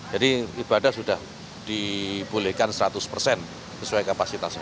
jadi ibadah sudah dibolehkan seratus persen sesuai kapasitasnya